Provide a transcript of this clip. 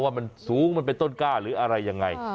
ว่ามันสูงมันเป็นต้นกล้าหรืออะไรยังไง